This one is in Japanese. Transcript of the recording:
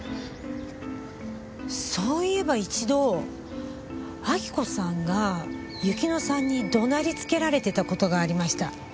そういえば一度亜希子さんが雪乃さんに怒鳴りつけられてた事がありました。